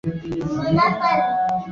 fursa mpya ya kufanya biashara pamoja na